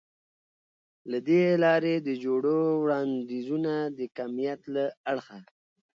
له دې لارې د جوړو وړاندیزونه د کمیت له اړخه